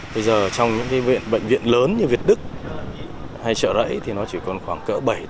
bây giờ trong những bệnh viện lớn như việt đức hay chợ đẩy thì nó chỉ còn khoảng bảy tám